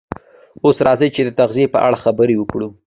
اوس راځئ چې د تغذیې په اړه خبرې وکړو